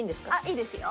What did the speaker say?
いいですよ。